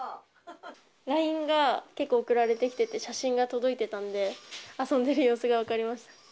ＬＩＮＥが結構送られてきてて、写真が届いてたんで、遊んでる様子が分かりました。